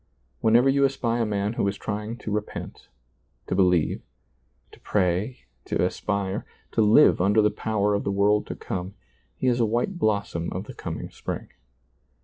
Whenever you espy a man who is trying to repent, to believe, to pray, to aspire, to live under the power of the world to come, he is a white blossom of the coming Spring.